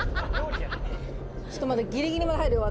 ちょっと待ってギリギリまで入るよ